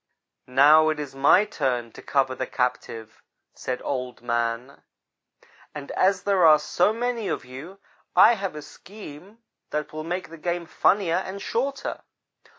"'Now, it is my turn to cover the captive,' said Old man, 'and as there are so many of you, I have a scheme that will make the game funnier and shorter.